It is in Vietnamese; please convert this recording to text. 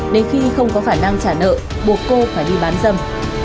đến khi không có khả năng trả nợ buộc cô phải đi bán dâm